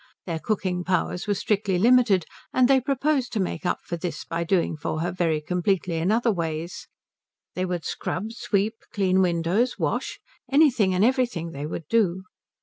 Their cooking powers were strictly limited, and they proposed to make up for this by doing for her very completely in other ways; they would scrub, sweep, clean windows, wash, anything and everything they would do.